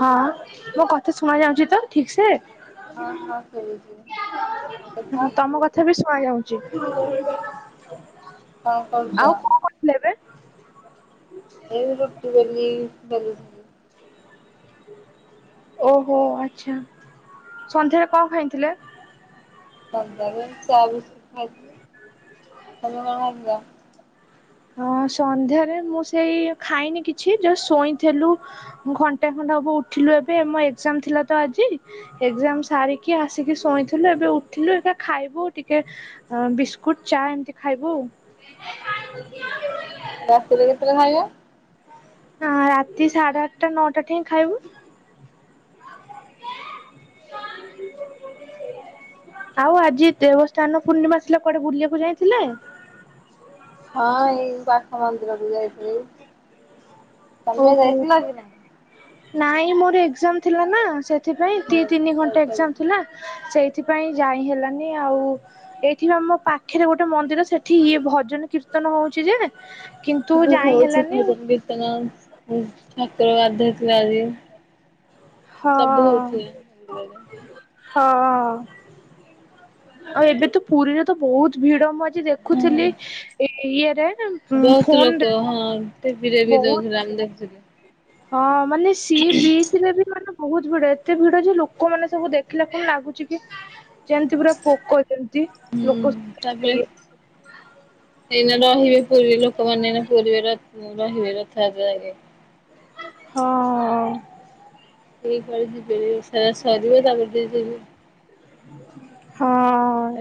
ହଁ ମୋ କଥା ଶୁଣା ଯାଉଛି ତ ଠିକ ସେ? ହଁ ହଁ ଶୁବୁଚି। ମୋ କଥା? ତଥାପି ଶୁଣା ଯାଉଚି। କଣ କରୁଛ? ଆଉ କଣ କରୁଥିଲେ ଏବେ? ଏ ରୁଟି ବେଲି ବେଲୁଚି। ଓହୋ ଆଚ୍ଛା, ସନ୍ଧ୍ୟାରେ କଣ ଖାଇଥିଲେ? ସନ୍ଧ୍ୟାରେ ଚା ବିସ୍କଟ ଖାଇଥିଲି, ତମେ କଁ ଖାଇଥିଲ? ହଁ ସନ୍ଧ୍ୟାରେ ମୁଁ ସେଇ ଖାଇନି କିଛି ଜ ଶୋଇଥିଲୁ। ଘଣ୍ଟେ ଖଣ୍ଡେ ହବ ଉଠିଲୁ ଏବେ, ମୋ ଏକଜାମ ଥିଲା ତ ଆଜି। ଏକଜାମ ସାରିକି ଆସିକି ଶୋଇଥିଲୁ, ଏବେ ଉଠିଲୁ ଏବେ ଖାଇବୁ, ଟିକେ ବିସ୍କୁଟ ଚା ଏମିତି ଖାଇବୁ। ରାତିରେ କେତେବେଳେ ଖାଇବ? ଆ ରାତି ସାଢେ ଆଠଟା ନଅଟା ଠେଇ ଖାଇବୁ। [unintelligible] ଆଉ ଆଜି ଦେବସ୍ଥାନ ପୂର୍ଣ୍ଣିମା ଥିଲା କୁଆଡେ ବୁଲିବାକୁ ଯାଇଥିଲେ? ହଁ ଏଇ ପାଖ ମନ୍ଦିରକୁୁ ଯାଇଥିଲି, ତମେ ଓହୋ ଯାଇଥିଲ କି ନାଇଁ? ନାଇଁ ମୋର ଏକ୍ଜାମ ଥିଲା ନା, ସେଥିପାଇଁ ଦି ଓହୋ ତିନି ଘଣ୍ଟା ଏକ୍ଜାମ ଯାଇପାରିଲିନି। ଥିଲା ସେଇ ସେଥିପାଇଁ ଯାଇ ହେଲାନି ଆଉ। ଏଇଠି ଆମ ପାଖରେ ଗୋଟେ ମନ୍ଦିର ସେଠି ଇଏ ଭଜନ କୀର୍ତ୍ତନ ହଉଛି ଯେ କିନ୍ତୁ ସବୁ ଯାଇ ହୋଉଛି ହେଲାନି ଭଜନ କୀର୍ତ୍ତନ, ଠାକୁର ଗାଧେଇ ଥିଲେ ଆଜି। ହଁ ସବୁ ହଉଛି ମନ୍ଦୀର ରେ। ହଁ, ଆଉ ଏବେ ତ ପୁରୀରେ ତ ବହୁତ ଭିଡ ମୁ ଆଜି ଦେଖ ଦେଖୁଥିଲି ଇଏରେ ବହୁତ ଫୋନ୍ ଲୋକ ଡା ହଁ ଟିଭିରେ ବି ଦୋଉଥିଲା ମୁଁ ଦେଖଥିଲି। ହଁ ମାନେ ସି ବିଚ ରେ ବି ମାନ ବହୁତ ଭିଡ ଏତେ ଭିଡ ଯେ ଲୋକ ମାନେ ସବୁ ଦେଖିଲା କିଣି ଲାଗୁଛି କି ଯେମତି ପୁରା ପୋକ ଯେମିତି ହୁଁ, ଲୋକ ତାପରେ ଇଏ ଏଇନା ରହିବେ। ପୁରୀ ଲୋକମାନେ ଏନା ପୁରୀ ରେ ରହିବେ ରଥ ଯାତ୍ରା ଯାକେ। ହଁ। କେହି କୁଆଡେ ଯିବେନି, ସେରା ସରିବ ତାପରେ [unintelligible] ହଁ,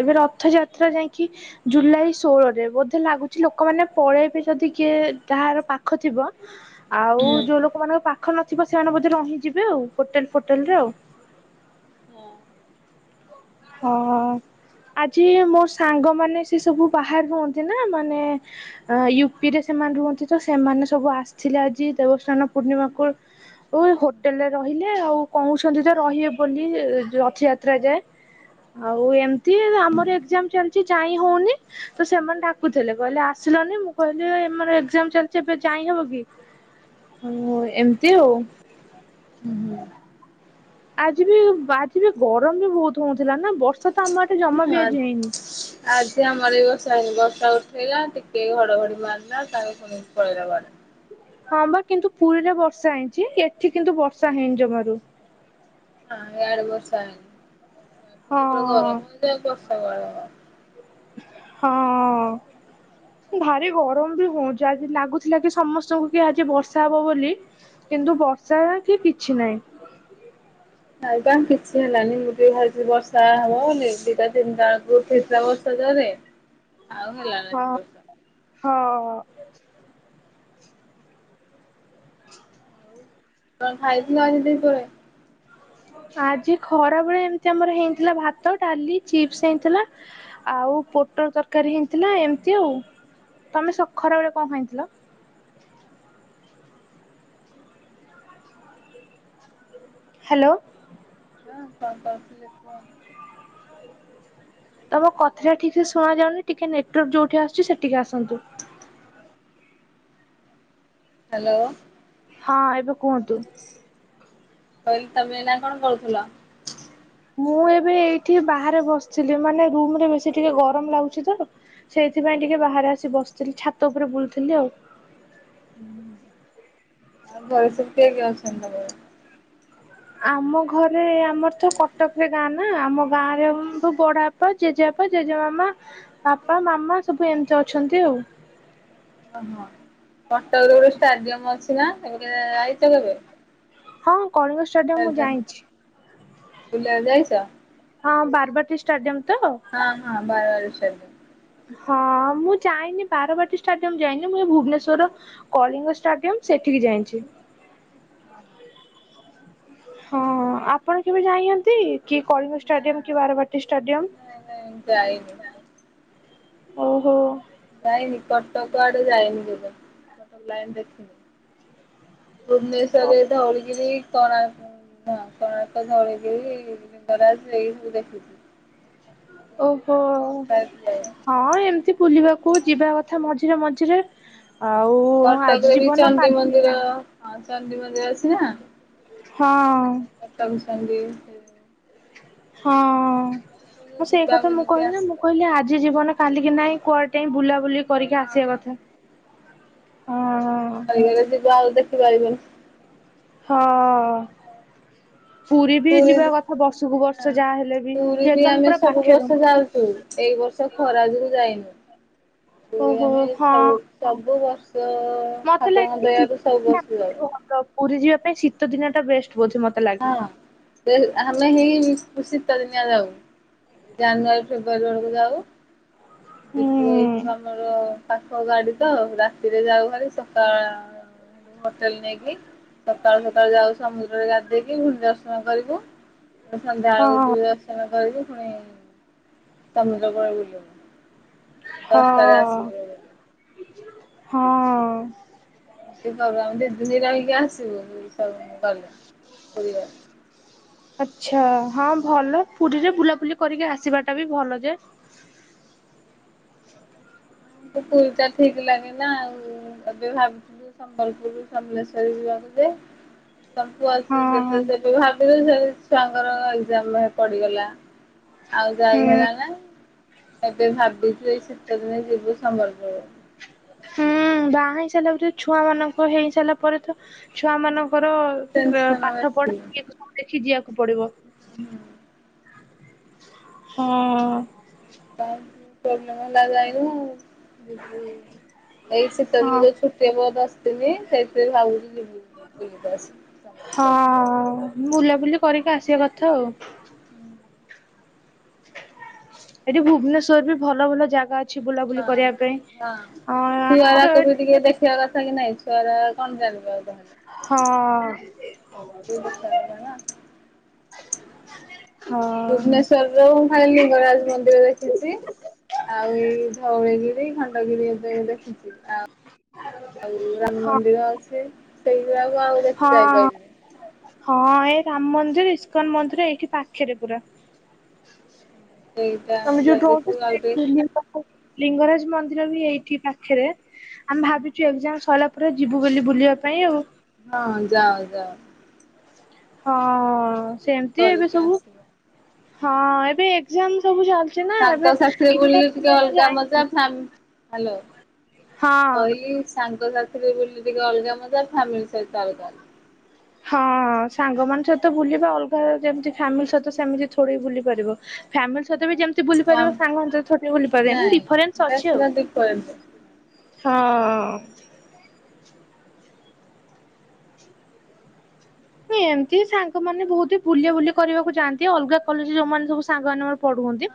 ଏବେ ରଥଯାତ୍ରା ଯାଇଁକି ଜୁଲାଇ ଷୋଳରେ ବୋଧେ ଲାଗୁଛି ଲୋକମାନେ ପଳେଇବେ ଯଦି କିଏ ତାହାର ପା ଖ ଥିବ ଆଉ ହୁଁ। ଯୋଉ ଲୋକମାନଙ୍କ ପା ଖ ନଥିବ ସେମାନେ ବୋଧେ ରହିଯିବେ ଆଉ ହୋଟେଲ ଫୋଟେଲ ରେ ଆଉ। ହଁ। ହଁ ଆଜି ମୋ ସାଙ୍ଗ ମାନେ ସେ ସବୁ ବାହାରେ ରୁହନ୍ତି ନା ମାନେ ଅ ୟୁପି ରେ ସେମାନେ ରୁହନ୍ତି ତ ସେମାନେ ସବୁ ଆସିଥିଲେ, ଆଜି ଦେବସ୍ଥାନ ପୂର୍ଣ୍ଣିମାକୁ ଓ ହୋଟେଲରେ ରହିଲେ ଆଉ କହୁଛନ୍ତି ତ ରହିବେ ବୋଲି ରଥଯାତ୍ରା ଯାଏ। ଆଉ ଏମତି ଆମର ଏକ୍ଜାମ ଚାଲିଛି ଯାଇ ହଉନି। ତ ସେମାନେ ଡାକୁଥିଲେ କହିଲେ ଆସିଲନି ମୁଁ କହିଲି ମାନେ ଏକଜାମ ଚାଲିଛି ଏବେ ଯାଇହବ କି। ଓ ଏମିତି ଆଉ। ହୁଁ ହୁଁ। ଆଜି ବି ଆଜି ବି ଗରମ ବି ବହୁତ ହଉଥିଲା ନା ବର୍ଷା ତ ଆମ ଆଠେ ଜମା ବି ଆଜି ହେଇନି। ଆଜି ଆମର ବି ବଶା ହେଇନି ବର୍ଷା ଉଠେଇଲା ଟିକେ ଘଡଘଡି ମାରିଲା ତାଙ୍କୁ ପୁଣିିକ ପଳେଇଲା ବାଡ। ହଁ ବା କିନ୍ତୁ ପୁରୀରେ ବର୍ଷା ହେଇଛି ଏଠି କିନ୍ତୁ ବର୍ଷା ହେଇନି ଜମାରୁ। ନା ୟାଡେ ବର୍ଷା ହେଇନି, ଗରମ ହଁ ହଉଚି ବର୍ଷା କୁଆଡେ ହବ। ହଁ। ଭାରି ଗରମ ବି ହଉଛି ଆଜି ଲାଗୁଥିଲା କି ସମସ୍ତଙ୍କୁ କି ଆଜି ବର୍ଷା ହବ ବୋଲି କିନ୍ତୁ ବର୍ଷା କି କିଛି ନାଇଁ। ନାଇ ପା କିଛି ହେଲାନି ମୁଁ ଟିକେ ଭାବିଥିଲି ବର୍ଷା ହବ ବୋଲି ଦିଟା ତିନିଟା ବଳକୁ ଉଠେଇ ଥିଲା ବର୍ଷା ଜୋରେ। [inaudible] ଆଉ ହେଲା ନି ଇବ ହ ହ କଣ ଖାଇଥିଲ ଆଜି ଦି ପହରେ? ଆଜି ଖରା ବେଳେ ଏମିତି ଆମର ହେଇଥିଲା ଭାତ ଡାଲି ଚିପ୍ସ ହେଇଥିଲା। ଆଉ ପୋଟର ତରକାରୀ ହେଇଥିଲା ଏମିତି ଆଉ ତମେ ସ ଖରା ବେଳେ କଣ ଖାଇଥିଲ? ହ୍ୟାଲୋ। ହଁ କଣ କରୁଥିଲେ କୁହ? ତମ ହାଲୋ କଥାଟା ଠିକ ସେ ଶୁଣାଯାଉନି ଟିକେ ନେଟୱାର୍କ ଯୋଉଠି ଆସୁଛି ସେଠିକି ଆସନ୍ତୁ। ହ୍ୟାଲୋ। ହଁ ଏବେ କୁହନ୍ତୁ? କହିଲି ତମେ ଏନା କଣ କରୁଥିଲ? ମୁଁ ଏବେ ଏଇଠି ବାହାରେ ବସିଥିଲି ମାନେ ରୁମରେ ବେଶୀ ଟିକେ ଗରମ ଲାଗୁଛି ତ। ସେଇଥିପାଇଁ ଟିକେ ବାହାରେ ଆସି ବସିଥିଲି ଛାତ ଉପରେ ବୁଲୁଥିଲି ଆଉ। ଆଉ ଘରେ ସବୁ କିଏ କିଏ ଅଛନ୍ତି ତମର? ଆମ ଘରେ ଆମର ତ କଟକରେ ଗାଁ ନା ଆମ ଗାଁ ରେ ବଡା ବାପା ଜେଜେବାପା ଜେଜେ ମାମା ବାପା ମାମା ସବୁ ଏମିତି ଅଛନ୍ତି ଆଉ। ଓହୋ କଟକରେ ଗୋଟେ ଷ୍ଟାଡିୟମ ଅଛି ନା ଏବେ ଆଇଛ କେବେ? ହଁ କଳିଙ୍ଗ ସ୍ଟୁ- [inaudible] ବୁଲିବାକୁ ଯାଇଛ? ହଁ ବାର୍ବାଟି ଷ୍ଟାଡିୟମ ତ? ହଁ ହଁ ବାରବାଟି ଷ୍ଟାଡ଼ିଅମ୍। ହଁ ମୁଁ ଯାଇନି ବାରବାଟୀ ଷ୍ଟାଡିୟମ ଯାଇନି ମୁଁ ଏ ଭୁବନେଶ୍ୱର କଳିଙ୍ଗ ଷ୍ଟାଡିୟମ ସେଠିକି ଯାଇଛି। ହଁ ହଁ। ହଁ ଆପଣ କେବେ ଯାଇନାହାନ୍ତି କି କଳିଙ୍ଗ ନା ଷ୍ଟାଡିୟମ କି ବାରବାଟି ନାଇଁ ନାଇଁ ଯାଇନି। ଷ୍ଟାଡିୟମ ଓହୋ? ଯାଇନି କଟକ ଆଡେ ଯାଇନି କେବେ କଟକ ଲାଇନି ଦେଖିନି। ଭୁବନେଶ୍ୱରରେ ଧଉଳଗିରି କୋଣାର୍କ ହଁ କୋଣାର୍କ ଧଉଳିଗିରି ଲିଙ୍ଗରାଜ ଏଇଠୁ ଦେଖୁଛି। ଓହୋ। ପ୍ରାୟତ ଯାଇନି। ହଁ ଏମିତି ବୁଲିବାକୁ ଯିବା କଥା ମଝିରେ ମଝିରେ ଆଉ ଆଜି କଟକରେ ବି ଯିବନ ଚଣ୍ଡୀ କାଲିକି ମନ୍ଦିର ନାହିଁ। ହଁ ଚଣ୍ଡୀ ମନ୍ଦିର ଅଛି ନା। ହଁ। [unintelligible] ହଁ ସେଇ ଯିବା କଥା ମୁଁ ବୁଲିକି କହିଲି ମୁଁ ଆସିବା। କହିଲି ଆଜି ଜୀବନ କାଲିକି ନାଇଁ କୁଆଡେ ଟିକେ ବୁଲାବୁଲି କରିକି ହଁ ଆସିବା ହଁ କଥା ହଁ। ଗଲେ ଯିବା ଆଉ ଦେଖିପାରିବନି। ହଁ। ପୁରୀ ବି ଯିବା କଥା ବର୍ଷକୁ ବର୍ଷ ଯାହା ହେଲେ ବି ପୁରୀ ସେ ତମେ ଆମେ ପୁରା ସବୁ ପାଖରେ ବର୍ଷ ଯାଉଛୁ ଏଇ ବର୍ଷ ଖରାଯୋଗୁ ଯାଇନୁ ପୁରୀ ଓହୋ ଆମେ ସବୁ ହଁ ସବୁ ବର୍ଷ ଠାକୁରଙ୍କ ଦୟାରୁୁ ସବୁ ବର୍ଷ ଯାଉ। ତ ପୁରୀ ଯିବା ପାଇଁ ଶୀତ ଦିନ ଟା ବେଷ୍ଟ ବୋଧେ ମତେ ଲାଗେ ହଁ ସେ ଆମେ ହେଇ ଶୀତ ଦିନିଆ ଯାଉ ଜାନୁଆରୀ ଫେବୃୟାରୀ ବେଳକୁ ଯାଉ। ହୁଁ ଯିବୁ ଏଇଥିବା ଆମର ତାଙ୍କ ଗାଡି ତ ରାତିରେ ଯାଉ ଭାରି ସକାଳ ହୋଟେଲ ନେଇକି ସକାଳୁ ସକାଳୁ ଯାଉ ସମୁଦ୍ରରେ ଗା ଦେଇକି ପୁଣି ଦର୍ଶନ କରିବୁ ସନ୍ଧ୍ୟା ହଁ ବବେଳକୁ ଦର୍ଶନ କରିବୁ ପୁଣି ସମୁଦ୍ରକୂଳରେ ବୁଲିବୁ। ଦଶଟାରେ ହଁ ଆସିବୁ। ହଁ। ଏ ଆମେ ଦିଦିନି ରହିକି ଆସିବୁ ସବୁ ଗଲେ ପରିବାର। ଆଛା ହଁ ଭଲ ପୁରୀରେ ବୁଲାବୁଲି କରିକି ଆସିବାଟା ବି ଭଲ ଯେ ପୁପୁଲ ଟା ଠିକ ଲାଗେ ନା ଆଉ ଏବେ ଭାବୁଥିଲି। ସମ୍ବଲପୁର ସମଲେଶ୍ୱରୀ ଯିବା ବୋଧେ? ସବୁ ଅବେ ହଁ ଭାବିଲୁ ସେ ଛୁଆଙ୍କର ଏଜାମ ପଡିଗଲା। ଆଉ ହୁଁ ଯାଇ ହେଲା ନା ଏବେ ଭାବିଛୁ ଏଇ ଶୀତ ଦିନ ଯିବୁ ସମ୍ବଲପୁର। ହୁଁ ବାହା ହେଇ ସାରିଲା ପରେ ଛୁଆ ମାନଙ୍କ ହେଇ ସାରିଲା ପରେ ତ ଛୁଆ ମାନଙ୍କର ଟେନସନ୍ ପାଠ ପଢା ଇଏ ସବୁ ଦେଖି ଯିବାକୁ ପଡିବ। ଉଁ ହଁ। କ ପ୍ରବ୍ଲେମ ହେଲା ଯାଇନୁ? ଏଇ ଶୀତ ହଁ ଦିନା ଯୋଉ ଛୁଟିହେବ ଦଶଦିନୀ ସେଇଥିରେ ଭାବିଛୁ ଯିବୁ ବୁଲିକି ଆସିବୁ। ହଁ ବୁଲାବୁଲି କରିକି ଆସିବା କଥା ଆଉ। ଏଠି ଭୁବନେଶ୍ଵରେ ବି ଭଲ ଭଲ ଜାଗା ଅଛି। ଅଛି ବୁଲାବୁଲି ହଁ କରିବା ପାଇଁ ଏ ଆମର କ୍ଷ କଥା କି ନାଇଁ ଛୁଆର କଣ ଜାଣିବେ ଆଉ। ତାହେଲେ। ଦେଖିବା କଥା ନା ହଁ ହଁ ଭୁବନେଶ୍ବର ରୁ ମୁଁ ଖାଲି ଲିଙ୍ଗରାଜ ମନ୍ଦିର ଦେଖିଛି। ଆଉ ଏଇ ଧଉଳିଗିରି ଖଣ୍ଡଗିରି ଏବେ ଏବେ ଆଉ ଆଉ ରାମ ହଁ ମନ୍ଦିର ଅଛି ସେଗୁଡ଼ାକୁ ଆଉ ଦେଖି ଯାଇ ହଁ ପାରିଲିନି। ହଁ ଏଇ ରାମ ମନ୍ଦିର ଇସ୍କନ ମନ୍ଦିର ଏଇଠି ପାଖରେ ପୁରା। ସେଇଟା ଆମେ ଯାଇ ଯୋଉଠି ଦେଖିବୁ ଆଉ ଟିକେ ରହୁଛୁ ଲିଙ୍ଗରାଜ ମନ୍ଦିର ବି ଏଇଠି ପାଖେରେ। ଆମେ ଭାବିଛୁ ଏକଜାମ ସରିଲା ପରେ ଯିବୁ ବୋଲି ବୁଲିବା ପାଇଁ ଆଉ। ହଁ ଯାଅ ଯାଅ। ହଁ ବୁଲାବୁଲି ସେମିତି ଏବେ କରିକି ସବୁ ଆସିବ। ହଁ ଏବେ ଏଗଜାମ ସବୁ ଚାଲିଛି। ନା ତାଙ୍କ ଏବେ ସାଥିରେ ଇଚ୍ଛା ବୁଲିଲେ ଟିକେ ଥିଲେ ବି ଅଲଗା ମଜା ଯାଇହଉନି ଫ୍ୟାମ ହ୍ୟାଲୋ। ହଁ କହିଲି ସାଙ୍ଗ ସାଥିରେ ବୁଲିଲେ ଅଲଗା ମଜା ଫ୍ୟାମିଲି ସହିତ ଅଲଗା। ହ ହଁ ସାଙ୍ଗ ମାନଙ୍କ ସହିତ ବୁଲିବା ଅଲଗା ଯେମିତି ଫ୍ୟାମିଲି ସହିତ ସେମିତି ଥୋଡି ବୁଲି ପାରିବ। ଫ୍ୟାମିଲି ସହିତ ବି ଯେମିତି ବୁଲି ପାରିବ ସାଙ୍ଗମାନଙ୍କ ସହିତ ବୁଲି ପାରିବନି ନାଇଁ ଡିଫରେନ୍ସ ଡ୍ରେସ୍ ଅଛି ଆଉ। ପୁରା ଡିଫରେଣ୍ଟ ହଁ। ହଁ ଏମିତି ବି ସାଙ୍ଗମାନେ ବହୁତ ବୁଲିଆ ବୁଲି କରିବାକୁ ଯାଆନ୍ତି ଅଲଗା କଲେଜରେ ଯୋଉଁମାନେ ସବୁ ସାଙ୍ଗମାନେମୋର ପଢୁଛନ୍ତି।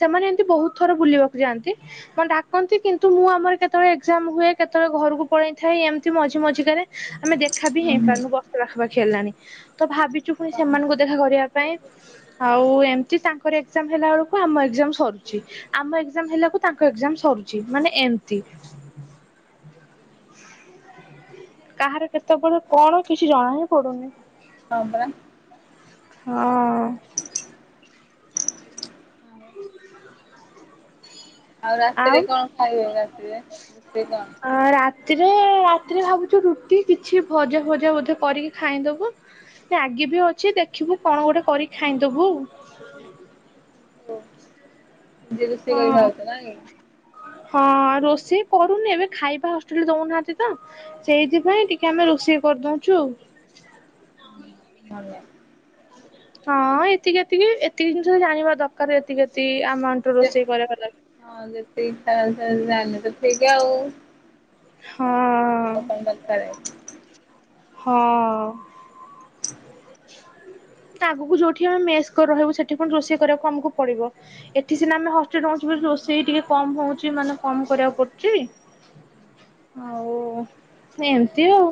ସେମାନେ ଏମିତି ବହୁତ ଥର ବୁଲିବାକୁ ଯାଆନ୍ତି। ହଁ ଡାକନ୍ତି କିନ୍ତୁ ମୁଁ ଆମର କେତେବେଳେ ଏକ୍ଜାମ ହୁଏ କେତେବେଳେ ଘରକୁ ପଳେଇ ଥାଏ ଏମିତି ମଝି ମଝି କାରେ। ଆମେ ଦେଖା ବି ହେଇ ପାରୁନୁ ବର୍ଷ ପାଖାପାଖି ହେଲାଣି ତ ଭାବିଛୁ ପୁଣି ସେମାନଙ୍କୁ ଦେଖା କରିବା ପାଇଁ ଆଉ ଏମିତି ତାଙ୍କର ଏକ୍ଜାମ ହେଲା ବେଳକୁ ଆମ ଏକ୍ଜାମ ସରୁଛି। ଆମ ଏକ୍ଜାମ ହେଲାକୁ ତାଙ୍କ ଏକ୍ଜାମ ସରୁଛି ମାନେ ଏମିତି। କାହାର କେତେବେଳେ କଣ କିଛି ଜଣା ହିଁ ପଡୁନି। ହଁ ପରା। ହଁ। ଆଚ୍ଛା ଆଉ ରାତିରେ କଣ ଖାଇବେ ରାତିରେ ରୋଷେଇ କଣ? ଆ ରାତିରେ ରାତିରେ ଭାବୁଚୁ ରୁଟି କିଛି ଭଜା ଫଜା ବୋଧେ କରିକି ଖାଇଁଦବୁ। [unintelligible] ବି ଅଛି ଦେଖିବୁ କଣ ଗୋଟେ କରି ଖାଇଁଦବୁ। ହୁଁ ହ ନିଜେ ରୋଷେଇ କରି ହଁ। ଖାଉଚ ନା କି? ହଁ। ରୋଷେଇ କରୁନି ଏବେ ଖାଇବା ହଷ୍ଟେଲରେ ଦଉନାହାନ୍ତି ତ ସେଇଥିପାଇଁ ଟିକେ ଆମେ ରୋଷେଇ କରିଦଉଚୁ ଆଉ। ଭଲ। ହଁ ଏତିକି ଏତିକି ଏତିକି ଜିନିଷ ତ ଜାଣିବା ଦରକାର ଏତିକି ଏତିକି ଆମାଉଣ୍ଟର ରୋଷେଇ କରିବା ହଁ ଯେତିକି ଖାଇବା [unintelligible] ଜାଣିଲେ ତ ଠିକ୍ ଆଉ। ହଁ। ଆଉ କଣ ଦରକାରେ। ହଁ। ଆଗୁକୁ ଯୋଉଠି ଆମେ ମେସ୍ କରି ରହିବୁ, ସେଠି ପୁଣି ରୋଷେଇ କରିବାକୁ ଆମକୁ ପଡିବ। ଏଠି ସିନା ଆମେ ହଷ୍ଟେଲ ରହୁଚୁ ବୋଲି ରୋଷେଇ ଟିକେ କମ ହଉଚି ମାନେ କମ୍ କରିବାକୁ ପଡୁଚି। ଆଉ ଏମତି ଆଉ।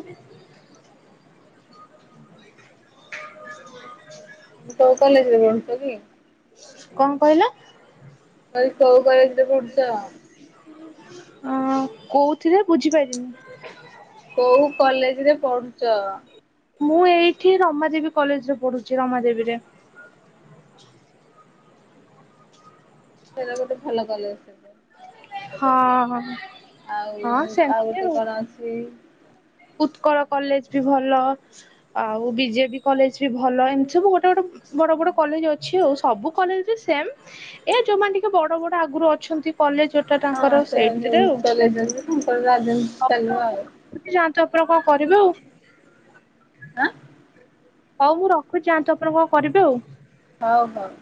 ତମେ କୋଉ କଲେଜରେ ପଢୁଚ କି? କଣ କହିଲ? କହିଲି କୋଉ କଲେଜରେ ପଢୁଚ? ଅ କୋଉଥିରେ ବୁଝିପାଇଲିନି? କୋଉ କଲେଜ ରେ ପଢୁଚ? ମୁଁ ଏଇଠି ରମାଦେବୀ କଲେଜରେ ପଢୁଚି। ରମାଦେବୀରେ। ସେଇଟା ଗୋଟେ ଭଲ କଲେଜ୍ ସେଠି। ହଁ ହଁ ଆଉ ହଁ ଆଉ ସେମିତି ଗୋଟେ କଣ ଅଛି ଉତ୍କଳ ମନେ କଲେଜ ପଡୁନି। ବି ଭଲ। ଆଉ ବିଜେବି କଲେଜ ବି ଭଲ। ଏମିତି ସବୁ ଗୋଟେ ଗୋଟେ ବଡ଼ ବଡ଼ କଲେଜ ଅଛି ଆଉ। ସବୁ କଲେଜ୍ ରେ ସେମ୍। ଏଇଆ ଯୋଉମାନେ ଟିକେ ବଡ଼ ବଡ଼ ଆଗରୁ ଅଛନ୍ତି କଲେଜ ଟା ତାଙ୍କର ହଁ ସେମାନେ ସେଇଥିରେ ଆଉ। [unintelligible] ଆଉ ଯାଆନ୍ତୁ ଆପଣ କଣ କରିବେ ଆଉ। ଆଁ? ହଉ ମୁଁ ରଖୁଚି ଯାଆନ୍ତୁ ଆପଣ କଣ କରିବେ ଆଉ। ହଉ ହଉ।